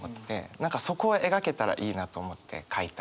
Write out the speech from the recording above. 何かそこを描けたらいいなと思って書いた歌ですね。